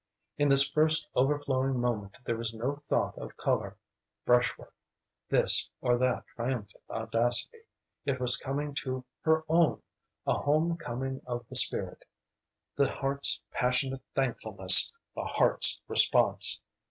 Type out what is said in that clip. In this first overflowing moment there was no thought of colour brush work this or that triumphant audacity; it was a coming to her own, a home coming of the spirit the heart's passionate thankfulness, the heart's response.